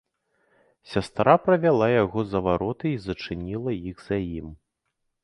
Сястра правяла яго за вароты і зачыніла іх за ім.